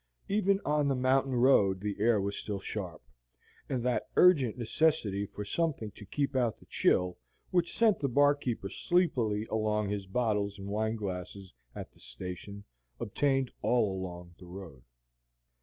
Even on the mountain road the air was still sharp, and that urgent necessity for something to keep out the chill, which sent the barkeeper sleepily among his bottles and wineglasses at the station, obtained all along the road.